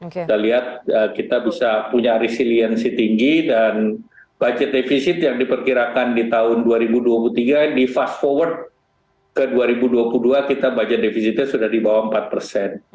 kita lihat kita bisa punya resiliensi tinggi dan budget defisit yang diperkirakan di tahun dua ribu dua puluh tiga di fast forward ke dua ribu dua puluh dua kita budget defisitnya sudah di bawah empat persen